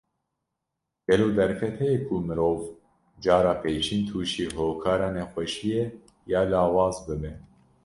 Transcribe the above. Gelo derfet heye ku mirov cara pêşîn tûşî hokara nexweşiyê ya lawaz bibe?